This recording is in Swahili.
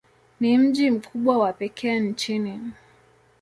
Ni mji mkubwa wa pekee nchini.